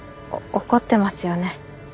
怒ってますよね？